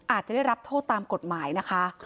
อาจจะได้รับโทษตามกฎหมายนะคะ